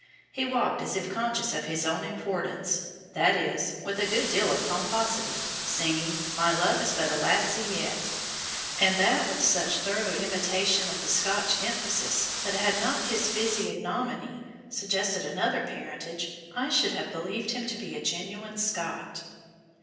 He walked as if conscious of his own importance; that is, with a good deal of pomposity, singing, 'My love is but a lassie yet'; and that with such thorough imitation of the Scotch emphasis that had not his physiognomy suggested another parentage, I should have believed him to be a genuine Scot.